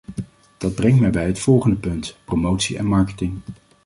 Dat brengt mij bij het volgende punt: promotie en marketing.